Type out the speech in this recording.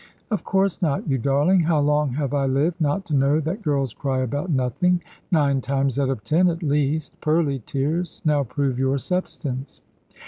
"Of course not, you darling. How long have I lived, not to know that girls cry about nothing? nine times out of ten at least. Pearly tears, now prove your substance."